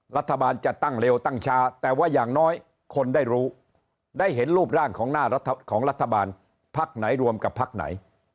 รัฐบาลจะตั้งเร็วตั้งช้าแต่ว่าอย่างน้อยคนได้รู้ได้เห็นรูปร่างของหน้าของรัฐบาลพักไหนรวมกับพักไหน